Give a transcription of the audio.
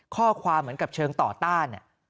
ข้อความเหมือนกับเชิงต่อต้าน